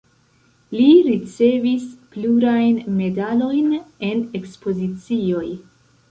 Li ricevis plurajn medalojn en ekspozicioj.